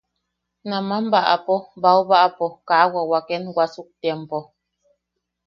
Naman baʼapo baubaʼapo kaa wawaken wasuktiampo;.